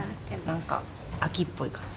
なんか秋っぽい感じ。